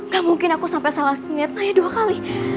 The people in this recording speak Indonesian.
gak mungkin aku sampe salah ngeliat naya dua kali